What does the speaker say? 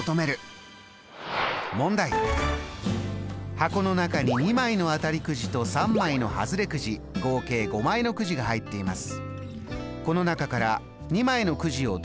箱の中に２枚の当たりくじと３枚のハズレくじ合計５枚のくじが入っています。